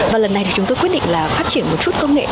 và lần này thì chúng tôi quyết định là phát triển một chút công nghệ